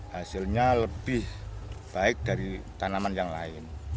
hasilnya lebih baik dari tanaman yang lain